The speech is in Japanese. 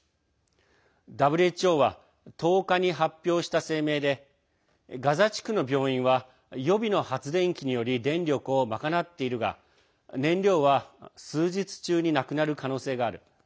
ＷＨＯは１０日に発表した声明でガザ地区の病院は予備の発電機により電力を賄っているが燃料は数日中になくなる可能性がある。